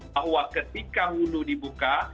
bahwa ketika dulu dibuka